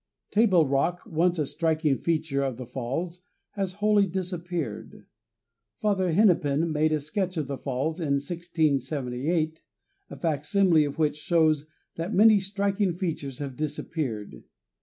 Table Rock, once a striking feature of the falls, has wholly disappeared. Father Hennepin made a sketch of the falls in 1678, a facsimile of which shows that many striking features have disappeared.